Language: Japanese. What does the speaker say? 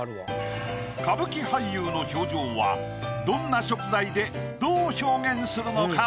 歌舞伎俳優の表情はどんな食材でどう表現するのか？